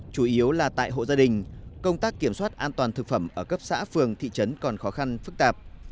chủ yếu là tại hộ gia đình công tác kiểm soát an toàn thực phẩm ở cấp xã phường thị trấn còn khó khăn phức tạp